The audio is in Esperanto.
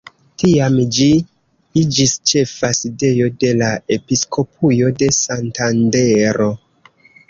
Tiam ĝi iĝis ĉefa sidejo de la episkopujo de Santandero.